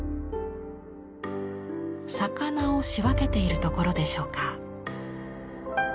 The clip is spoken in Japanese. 魚を仕分けているところでしょうか。